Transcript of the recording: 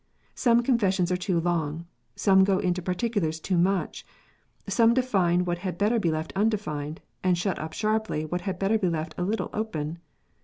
Some Confessions are too long. Some go into particulars too much. Some define what had better be left undefined, and shut up sharply what had better be left a little open.